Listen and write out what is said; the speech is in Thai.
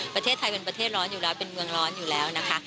ประเทศไทยเป็นประเทศร้อนอยู่แล้วเป็นเมืองร้อนอยู่แล้วนะคะ